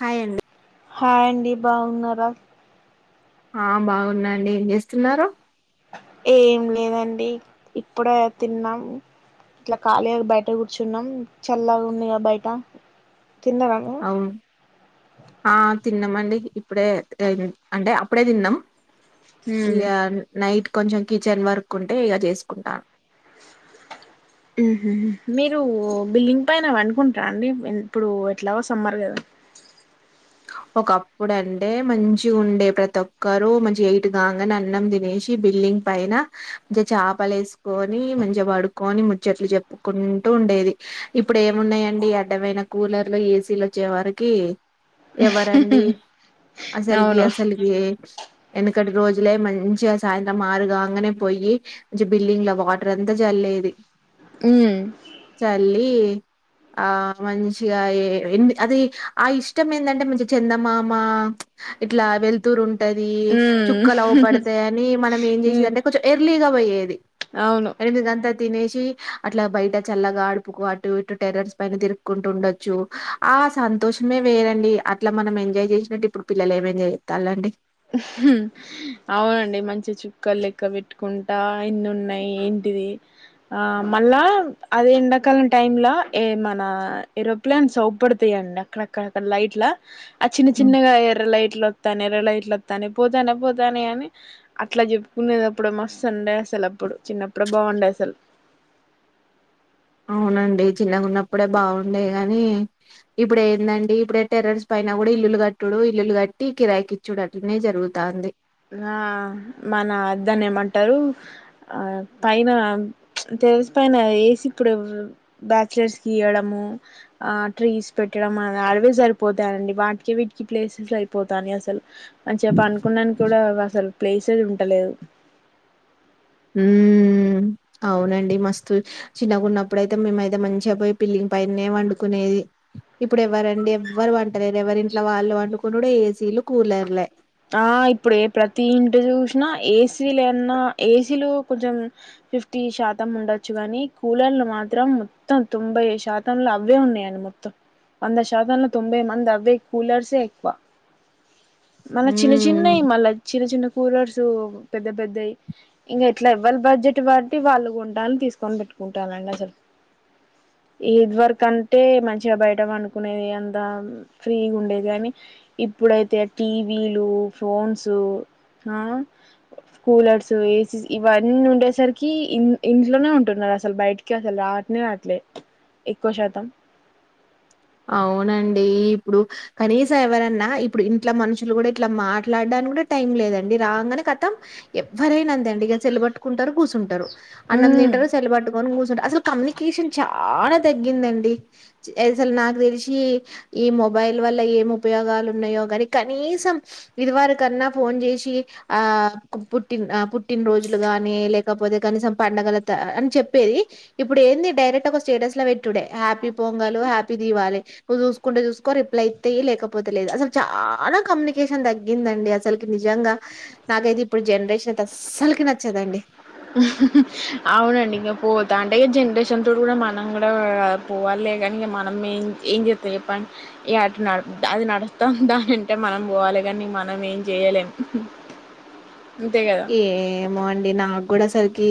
Hi అండి hi అండి బాగున్నారా ఆ బాగున్నాండి ఏం చేస్తున్నారు ఏం లేదండి ఇప్పుడే తిన్నాం ఇట్లా ఖాళీ బయట కూర్చున్నాం చల్లాగా ఉందిగా బయట తిన్నారా మీరు అవును ఆ తిన్నామండి ఇప్పుడే అంటే అప్పుడే తిన్నాం మ్మ్ ఇగ నైట్ కొంచెం కిచెన్ వర్క్ ఉంటే ఇక చేసుకుంటాను ఉహూ మీరు బిల్డింగ్ పైన పండుకుంటార అండి ఇప్పుడు ఎట్లాగో సమ్మర్ కదా ఒకప్పుడు అంటే మంచి ఉండే ప్రతి ఒక్కరుూ మంచి ఎయిట్ కాగానే అన్నం దినేసి చి బిల్డింగ్ పైన చాపలేసుకొని మంచిగా పడుకొని ముచ్చట్లు చెప్పుకు టు ఉండేది ఇప్పుడు ఏమున్నాయండి అడ్డమైన కూలర్లు ఏసీలు వచ్చే వరికి ఎవరండి కదా అసలకి అవును అసలకి వెనకటి రోజులే మంచిగా సాయంత్రం ఆరుగాగానే పోయి మంచి బిల్డింగ్ లో వాటర్ అంత చల్లి ఇది మ్మ్ చల్లి ఆ మంచిగా ఎ అది ఆ ఇష్ట ఇష్టం ఏంటంటే మంచి చందమామ ఇట్లా వెలుతురు ఉం ఉంటది చుక్కలు అవపడతాయ్ అని మనం ఏం మ్మ్ జేసేదంటే కొంచెం ఎర్లీగా పోయేది అవును రెందు కంతా తినే చి అట్లా బయట చల్లగాడుపుకు అటు ఇటు టెర్రస్ పైన తిరుక్కుంటూ ఉండొచ్చు ఆ సంతోషమే వేరండి అట్లా మనం ఎంజాయ్ జేసినట్టు ఇప్పుడు పిల్లలు ఏం ఎంజాయ్ జేత్తాలండి అవునండి మంచి చుక్కలు లెక్క పెట్టుకుంటా ఎన్ని ఉన్నాయ్ ఏం టిది ఆ మళ్ళా అదే ఎండాకాలం టైమ్ ల ఏ మన ఏరోప్లేన్స్ ఔపడతాయ్ అక్కడక్కడ లైట్లా ఆ చిన్న చిన్నగా ఎర్ర లైట్లు వత్తానయ్ ఎర్ర లైట్ తనే పోతనే పోతానే అని అట్లా చెప్పుకునేది అప్పుడు మస్తు ఉండే అసలు అప్పుడు చిన్నప్పుడు బా గుండే అసల్ అవునండి చిన్న గున్నప్పుడే బాగుండే గానీ ఇప్పుడు ఏందండి ఇప్పుడే టెర్రర్స్ పైన గూడా ఇల్లు గట్టుడు ఇల్లు కట్టి కిరాయికి ఇచ్చుడు అట్నే జరుగుతాంది ఆ మన దాన్ని ఏమంటారు ఆ పైన టెర్రస్ పైన యేసి ఇప్పుడు బ్యాచ్ లర్స్ కీయడము ఆ ట్రీస్ పె ట్టడం అడవే సరిపోతాయండి వాటికి వీటికి ప్లేసెస్ అయిపోతాని అసలు మంచిగా పండుకున్ననికి కూడా అసలు ప్లేసే ఉంటలేదు ఉమ్ అవునండి మస్తు చిన్నగున్నప్పుడైతే మేమైతే మంచిగా పోయి పిల్లింగ్ పైనే పండుకునేది ఇప్పుడు ఎవరండి ఎవ్వరు పంటలేరు ఎవరి ఇంట్లో వాళ్ళు పండుకొనుడే ఏసీలు కూలర్లే ఆ ఇప్పుడు ప్రతి ఇంట చూసినా ఏసీలన్నా ఏసీలో కొంచెం ఫిఫ్టీ శాతం ఉండొచ్చు గానీ కూలర్లు మాత్రం మొత్తం తొంభై శాతంలో అవే ఉన్నాయండి మొత్తం వంద శాతంలో తొంభై మంది అవే కూలర్సే ఎక్కువ మన చిన్న ఉమ్ చిన్నయ్ మళ్ళ చిన్న చిన్న కూలర్స్ టూ పెద్ద పెద్దయ్ ఇంక ఎట్లా ఎవ్వలి బడ్జెట్ బట్టి వాళ్ళు కొంటాళ్ళు తీసుకొని పెట్టుకుంటాలు అండి అసల్ ఇది వరకంటే మంచిగా బయట పండుకునేది అంతా ఫ్రీగా ఉండేది కానీ ఇప్పుడైతే టీవీలు ఫోన్సు ఆ కూలర్స్ ఏసీస్ ఇవన్నీ ఉండేసరికి ఇ ఇంట్లోనే ఉంటున్నారు అసలు బయటికి అసలు రావ నే రాట్లే ఎక్కువ శాతం అవునండి ఇప్పుడు కనీసం ఎవరన్నా ఇప్పుడు ఇంట్ల మనుషులు కూడా ఇట్లా మాట్లాడా నికి గూడా టైం లేదండి రాంగనే కతం ఎవ్వరైనా అంతే అండి ఇగ సెల్లు బట్టుకుంటారు గూసుంటారు అన్నం తింటారు సెల్లు బట్టుకొని గూసుంటారు అసలు కమ్యూనికేషన్ చాలా తగ్గిందండి అసలు నాకు దెలిసి ఈ మొబైల్ వల్ల ఏం ఉపయోగాలు ఉన్నాయో గానీ కనీసం ఇది ఎవరికన్నా ఫోన్ జేసి ఆ పుట్టిన పుట్టినరోజులు గానీ లేకపోతే కనీసం పండగల అని చెప్పేది ఇప్పుడు ఏంది డైరెక్ట్ ఒక స్టేటస్ లో పెట్టుడే హ్యాపీ పొంగలు హ్యాపీ దివాలే నువు చూసుకుంటే చూసుకో రిప్లై ఇత్తే ఇయ్యి లేకపోతేలేదు అసలు చాలా కమ్యూనికేషన్ తగ్గింది అండి అసల్ కి నిజంగా నాకైతే ఇప్పుడు జనరేషన్ అయితే అసల్ కి నచ్చదండి అవునండి ఇంగ పోతా ఉంటే జనరేషన్ తో గూడా మన మనం గూడా పోవాలే కానీ మనం ఏం ఏం జేత్తం చెప్పండి ఇగ అట్ల న అది నడు మొత్తం దానింటే మనం బోవాలి గానీ మనం ఏం జేయలేం ఏమో అండి నా గూడా అసల్ కి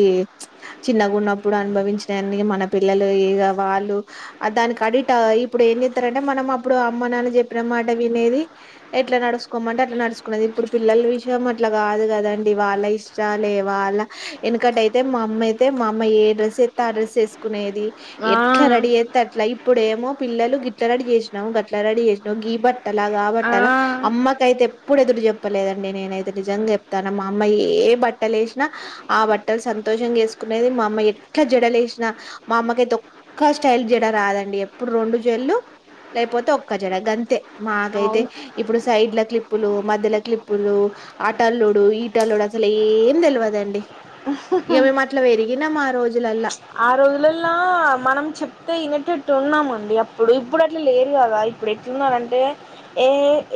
చిన్నగున్నప్పుడు అనుభవించినయన్ని మన పిల్లలు ఇగ వాళ్ళు దానికి అడిట్ అయి ఇప్పుడు ఏం జెత్తారంటే మనం అప్పుడు అమ్మ నాన్న జెప్పిన మాట వినేది ఎట్లా నడు స్కోమంటే అట్లా నడుసుకున్నేది ఇప్పుడు పిల్లల విషయం అట్లా గాదు గదా అండి ఇవాళ్ళఇష్టాలే వాళ్ళ యెనుకటైతే మా అమ్మ అయితే మా అమ్మ ఏ డ్రెస్ యేత్తే ఆ డ్రెస్సు యేసుకు నేది ఆ ఎట్ల రడీ ఎత్తే అట్లా ఇప్పుడు ఏమో పిల్లలు గిట్ల రడీ జేసినావు గట్ల రడీ జేసినావు గి ఈ బట్టలాగా ఆ ఆబట్టలా అమ్మకైతే ఎప్పుడు ఎదురు చెప్పలేదండి నేనైతే నిజంగా జేప్తాన మా అమ్మ యే బట్టలు యేసినా ఆ బట్టలు సంతోషంగా యేసుకునేది మా అమ్మ ఎట్లా జడలేసినా మా అమ్మకైతే ఒక్క స్టైల్ జడ రాదండి ఎప్పుడు రెండు జల్లు లేకపోతే ఒక్క జడ గంతే మాకైతే అవును ఇప్పుడు సైడ్ల క్లిప్పులు మధ్యల క్లిప్పులు ఆటాల్లుడ్ డు ఈటల్లుడు అసలు ఏం తెలివదండి ఇక మేము అట్లా పెరిగినాం ఆ రోజులల్లా ఆ రోజులలా మనం చెప్తే వినటట్టు ఉన్నామండి అప్పుడు ఇప్పుడు అట్లా లేరు కదా ఇప్పుడు ఎట్లున్నంటే ఏ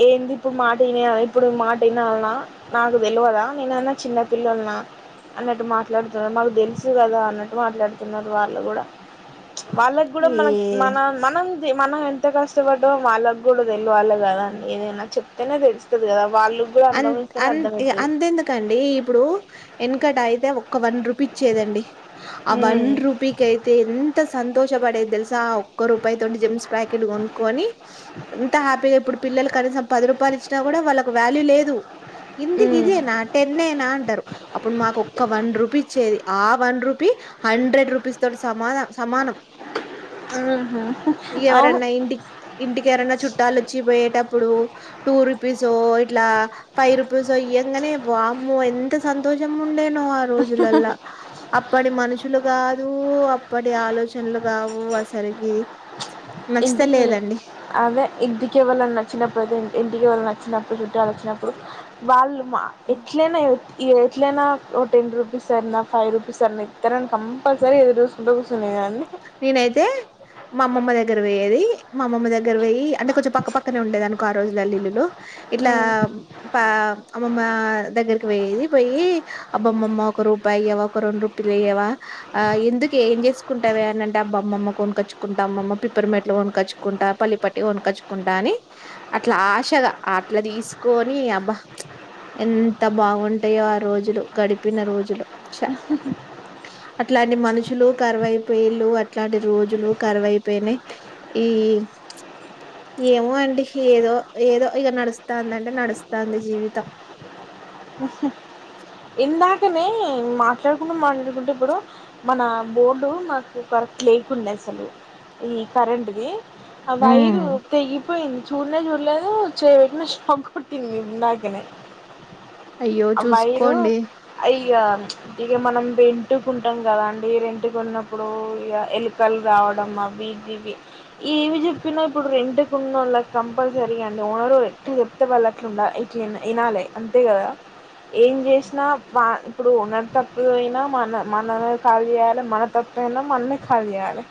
ఏంది ఇప్పుడు మాటన ఇప్పుడు మాట ఇనాల్నా నాకు తెలువదా నేనేన్న చిన్న పిల్లన అన్నట్టు మాట్లాడుతార్ మాకు తెలుసు కదా అన్నట్టు మాట్లాడుత్ తున్నారు వాళ్ళు కూడా వాళ్ళకి కూడా మన ఏ మన మనం మనం ఎంత కష్టపడ్డోమో వాళ్ళకు కూడా తెలవాలి కదా అండి ఏదైనా చెప్తేనే తెలుస్తుది కదా వాళ్ళు కూడా అన్ అనుభవిస్తేనే అన్ అర్థమవుతది అంతెందుకండి ఇప్పుడు వెనకట అయితే ఒక్క వన్ రూపీ ఇచ్చేదండి ఆ వన్ ఉమ్ రూపీకి అయితే ఎంత త సంతోషపడేది తెలుసా ఆ ఒక్క రూపాయి తోటి జమ్స్ ప్యాకెట్ కొనుక్కొని ఇంత హ్యాపీగా ఇప్పుడు పిల్లలు కనీసం పది రూపాయలుచ్చినా కూడా వాళ్ళ వ్యాల లు లేదు ఇందికి ఉమ్ ఇదేనా టెన్ యేనా అంటారు అప్పుడు మాకు ఒక్క వన్ రూపీచ్చేది ఆ వన్ రుపీ హండ్రెడ్ రూపీస్ తోటి సమాన సమానం ఊ హ్మ్ ఇవరన్నా ఇంటికి ఇంటికి ఎవరనా చుట్టాలు వచ్చి పోయేటప్పుడు టూ రుపీసో ఇట్లా ఫైవ్ రుపీస్ అయ్యాంగానే బామ్మ ఎంత సంతోషం ఉండేనో ఆ రోజులలా అప్పటి మనుషులు కాదు అప్పటి ఆలోచనలు కావు అసలకి ఇంటికి అదే ఇంటికి ఎవలన్న వచ్చినప్పుడైతే అదే ఇంటికి వాళ్ళ వచ్చినప్పుడు చుట్టాలు వచ్చినప్పుడు వాళ్ళు మా ఇట్లనే ఈ ఎట్లయినా ఓ టెన్ రూపీస్ అయినా ఫైవ్ రూపీస్ అయినా ఇత్తరని కంపల్సరీ ఎదురు చూసుకుంట కూర్చునేదన్ని నేనైతే మా అమ్మమ్మ దగ్గర పోయేది మా అమ్మ దగ్గర పొయ్యి అంటే కొంచెం పక్క పక్కనే ఉండేది అనుకో ఆ రోజులల్లో ఇల్లులు ఇట్లా పా అమ్మమ్మ దగ్గరకి పోయేది పోయి అబ్బమ్మమ్మ ఒక రూపాయి ఇయవా ఒక రెండు రూపీలియావా ఎందుకె ఏం చేసుకుంటవే ఏంటంటే అబ్బ అమ్మమ్మ కొనకచ్చుంటా అమ్మమ్మ పిప్పరి మిట్లు కొనకొచ్చుకుంటా పల్లి పట్టి కొనకొచ్చుకుంటా అని అట్లా ఆశగా అట్లా తీసుకొని అబ్బా ఎంత బాగుంటయో ఆ రోజులు గడిపిన రోజులు చ అట్లాంటి మనుషులు కరువైపోయ అట్లాంటి రోజులు కరువైపోయినాయ్ ఈ ఏమో అండి ఏదో ఏదో ఇక నడుస్తాందింటే నడుస్తాంది జీవితం వస ఇందాకనే మాట్లాడుకుంటూ మాట్లాడుకుంటు ఇప్పుడు మన బోర్డు మాకు కరెక్ట్ లేకుండే అసలు ఈ కరెంట్ది ఆ వైరు తెగి పోయింది చూడ్నె చూల్లేదు చేయ్ పెట్నా షాక్ కొట్టింది ఇందాకనే అయ్యో ఆ వైరు చూసుకోండి అయి ఇక ఇక మనం రెంట్కుంటాం కదా అండి రెంట్టుకున్నప్పుడు ఇక ఎలుకలు రావ డం అవి ఇవి ఇవి ఏమి చెప్పిన ఇప్పుడు రెంట్ ఉన్నోళకు కంపల్సరీ అం ఓన ఎట్లు చెప్తే వాళ్ళట్లుండాలీ ఇట్ల వినాలె అంతే కదా ఏం చేసినా వా ఇప్పుడు ఓనర్ తప్పు అయినా మన మనమే కాల్ చేయాలి మన తప్పైనా మనమే కాల్ చేయాలె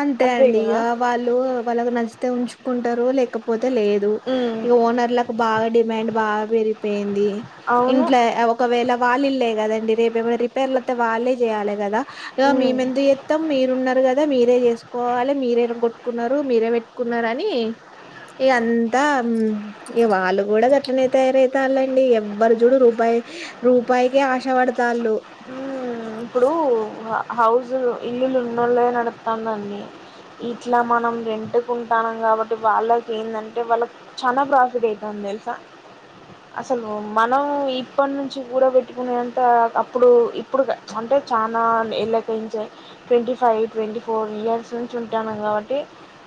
అంతే అండి ఇక వాళ్ళు వాళ్ళకి నచ్చితే ఉంచుకుంటారు లేకపోతే లేదు ఉమ్ ఇగ ఓనర్ లకు బాగా డిమాండ్ బాగా పెరిగి అయిపింది అవును ఇంట్లో ఒకవేళ వాళ్ళ ఇల్లే కదండి రేపు ఏమైనా రిపేర్లు వత్తె వల్లే చేయాలి గద ఉమ్ మేమెందుకు జేత్తం మీరు వున్నారుగద మీరే చేసుకోవాలి మీరే ఇరగకొట్టుకున్నారు మీరే పెట్టుకున్నారు అని ఈంత అ ఇగ వాళ్ళు కూడా గట్నే తయారైతేర్ లేండి ఎవరు చూడు రూపాయి రూపా పైకే ఆశ పడ ఉమ్ ఇప్పుడు హౌస్ ఇల్లులు ఉన్నోళ్ళే నడతాంది అండి ఇట్లా మనం రెంట్కు ఉంటానం కాబట్టి వాళ్ళకి ఏందంటే వాళ్ళకి చాల ప్రాఫిట్ అయితది తెలుసా అసలు మనం ఇప్పటి నుంచి కూడా పెట్టుకునేంత ఇప్పుడు ఇప్పుడు అంటే చాలా ఎళ్లకంచి twenty five twenty four years నుంచి ఉంటనం కాబట్టి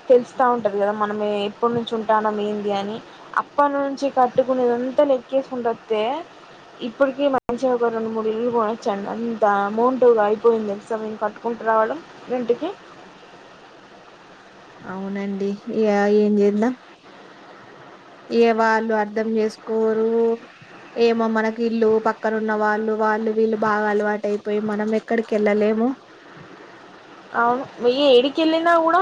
తెలుస్తా ఉంటది కదా మనమే ఎప్పటి నుంచి ఉంటనం ఏంది అని అప్పటి నుంచి కట్టుకునేద ఇంత లెక్కేసుకుంట వస్తె ఇప్పటికి మంచిగా ఒక రెండు మూడు ఇల్లులు కొనచ్చండి అంత అమౌంట్ అయిపోయింది తెలుసా మేము కట్టుకుంటూ రావడం రెంట్కి [unintelligible] అవునండి ఇగ ఏం చేద్దాం ఏ వాళ్ళు అర్ధం చేసుకోరు ఏమో మనకి ఇల్లు పక్కన ఉన్న వాళ్ళు వాళ్ళు వీళ్ళు బాగా అలవాటయిపోయి మనం ఎక్కడికి వెళ్ళలేము [unintelligible] అవును వెయ ఏడికి వెళ్ళినా కూడా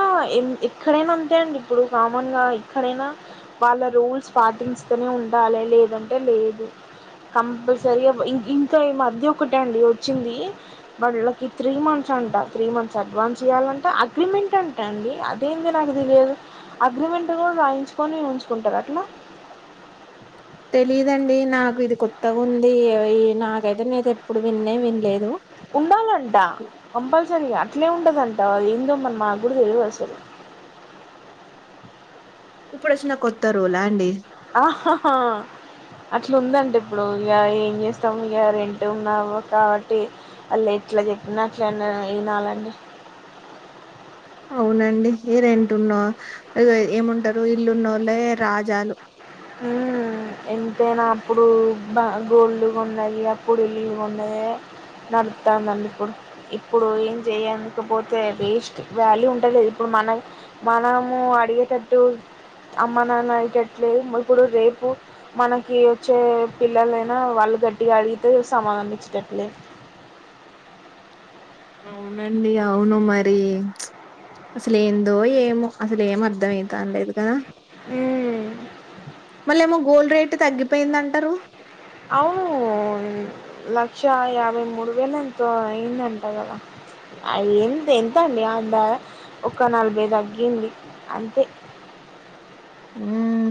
ఎక్కడైనా అంతే అండి ఇప్పుడు కామన్ గా ఎక్కడైనా వాళ్ళ రూల్స్ పాటిస్తూనే ఉండాలి లేదంటే లేదు కంపల్సరగా ఇంత మధ్య ఒకట అండి వచ్చింది వాళ్ళకి త్రీ మంత్స్ అంట త్రీ మంత్స్ అడ్వాన్స్ చేయాలంట అగ్రిమెంట్ అంటా అండి అదేంది నాకు తెలియదు అగ్రిమెంట్ కూడా రాయించుకొని ఉంచుకుంటార అట్లా తెలీదండి నాకు ఇది కొత్తగా ఉంది ఈ నాకైతే నేది ఎప్పుడు విన్నే వినలేదు ఉండాలంటా కంపల్సరిగ ఇట్లే ఉంటదంట అది ఇందో మ మాకు కూడా తెలియదు అసలు ఇప్పుడు వచ్చినా కొత్తారూల్ ఆ అండి ఆహా హా అట్లా ఉందంటడి ఇప్పుడు ఇక ఏం చేస్తాము ఇక రెంట్ ఉన్నావు కాబట్టి వాళ్ళు ఎట్లా చెప్పినా అట్లా వినాలండి. అవునండి రెంటున్న ఏముంటారు ఇల్లునొల్లే రాజాలు ఉం ఎంతైనా అప్పుడు బ గోల్డు కొన్నయి అప్పుడు ఇల్లులు కొన్నదే నడుపుతాందండి ఇప్పుడు ఇప్పుడు ఏం చేయకపోతే వేస్ట్ వాల్యూ ఉంటలేదు ఇప్పుడు మన మనము అడిగేటట్టు అమ్మ నాన్న అయ్యేటట్లే ఇప్పుడు రేపు మనకి వచ్చే పిల్లలైనా వాళ్ళు గట్టిగా అడిగితే సమాధానమిచ్చేటట్లు లేదు [unintelligible] అవునండి అవును మరి అసలే ఏందో ఏమో అసలు ఏం అర్ధమయితన్ లేదు కాద ఉమ్ మళ్ళ ఏమో గోల్డ్ రేట్ తగ్గిపోయింది అంటారు అవును లక్ష యాభై మూడు వేలు ఎంతో అయ్యిందటగా అ ఎంత ఎంతండి అందాద ఒక నలభై తగ్గింది అంతే ఉం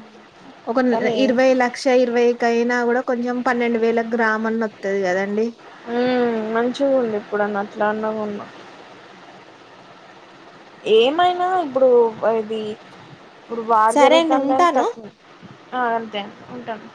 ఒక కానీ ఇరవై లక్ష ఇరవైకయినా కూడా కొంచెం పన్నెండు వేలకు గ్రామ్ ఆన్ ఉంటది కదండి ఉమ్ మంచిదిగా ఉండు ఇప్పుడున్న అట్లా అన్న కొన్న ఏమైనా ఇప్పుడు ఇది ఇప్పుడు వార్ సరే అండి జరుగుతుండ అని ఉంటాను తక్కువ అంతే ఉంటాను